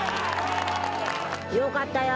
よかったよ。